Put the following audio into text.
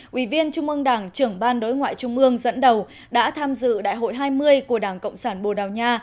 ủy viên trung ương đảng trưởng ban đối ngoại trung ương dẫn đầu đã tham dự đại hội hai mươi của đảng cộng sản bồ đào nha